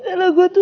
salah gue apa sih